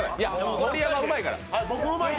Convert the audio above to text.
盛山、うまいから。